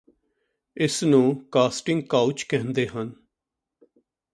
ਇਸ ਨੂੰ casting couch ਕਹਿੰਦੇ ਹਨ